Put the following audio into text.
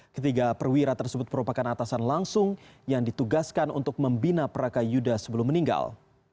ketiga perwira tersebut merupakan atasan langsung yang ditugaskan untuk membina prakayuda sebelum meninggal